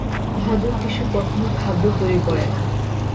ভাজক টিস্যু কখনো খাদ্য তৈরি করে না।